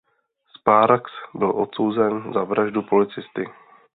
Sparks byl odsouzen za vraždu policisty.